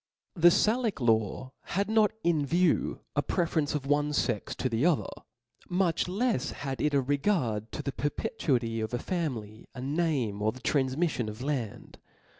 A incicm y^^ Salic law had not in view a preference of nrocK • coUeaion.one fex to the other, much lefs had it a regard to the perpetuity of a family, a name^ or the tranf miflion of land.